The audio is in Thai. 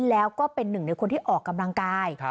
แล้วก็เป็นหนึ่งในคนที่ออกกำลังกาย